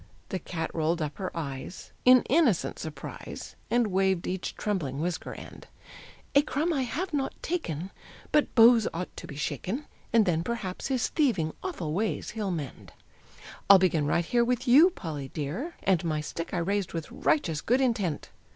The cat rolled up her eyes In innocent surprise, And waved each trembling whisker end. "A crumb I have not taken, But Bose ought to be shaken. And then, perhaps, his thieving, awful ways he'll mend." "I'll begin right here With you, Polly, dear," And my stick I raised with righteous good intent.